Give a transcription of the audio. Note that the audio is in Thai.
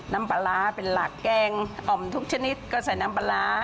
น้ำปลาร้าเป็นหลักแกงอ่อมทุกชนิดก็ใส่น้ำปลาร้า